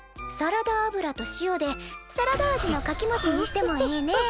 サラダ油と塩でサラダ味のかきもちにしてもええね。